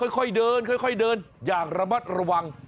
ค่อยเดินอย่างระบัดระวัง